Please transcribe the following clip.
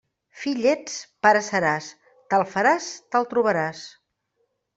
Fill ets, pare seràs; tal faràs, tal trobaràs.